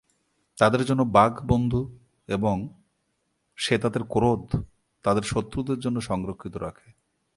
তাদের জন্য বাঘ বন্ধু এবং সে তাদের ক্রোধ তাদের শত্রুদের জন্য সংরক্ষিত রাখে।